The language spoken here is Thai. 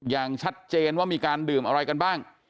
อย่างชัดเจนว่ามีการดื่มอะไรกันบ้าง